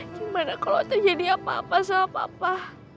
gimana kalau terjadi apa apa